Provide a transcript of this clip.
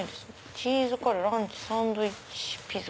チーズカレーランチサンドイッチピザ。